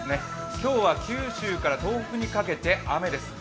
今日は、九州から東北にかけて雨です。